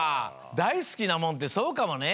だいすきなもんってそうかもね。